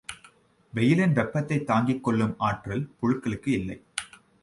வெயிலின் வெப்பத்தை தாங்கிக் கொள்ளும் ஆற்றல் புழுக்களுக்கு இல்லை.